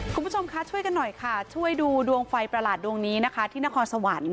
คุณผู้ชมคะช่วยกันหน่อยค่ะช่วยดูดวงไฟประหลาดดวงนี้นะคะที่นครสวรรค์